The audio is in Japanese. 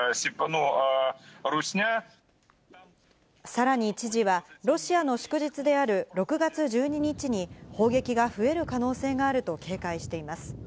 さらに知事は、ロシアの祝日である６月１２日に、砲撃が増える可能性があると警戒しています。